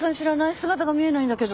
姿が見えないんだけど。